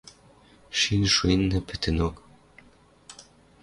Шин шуэннӓ пӹтӹнок.